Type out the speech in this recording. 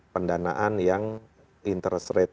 pendanaan yang interest rate